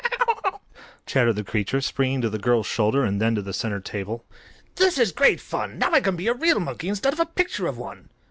"He he he he he!" chattered the creature, springing to the girl's shoulder and then to the center table. "This is great fun! Now I can be a real monkey instead of a picture of one."